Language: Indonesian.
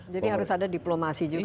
jadi harus ada diplomasi juga